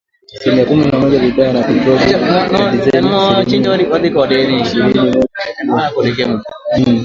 Asilimia kumi na moja kwa bidhaa ya petroli na dizeli, na asilimia ishirini na moja kwa mafuta ya taa iliongezwa Inchi Tanzania